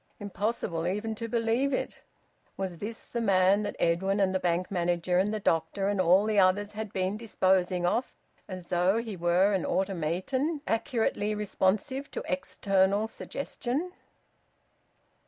Impossible even to believe it! Was this the man that Edwin and the Bank manager and the doctor and all the others had been disposing of as though he were an automaton accurately responsive to external suggestion?